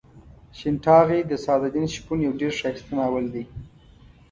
شین ټاغۍ د سعد الدین شپون یو ډېر ښایسته ناول دی.